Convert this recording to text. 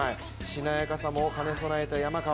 しなやかさも兼ね備えた山川。